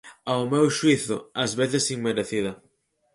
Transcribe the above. Ao meu xuízo, ás veces inmerecida.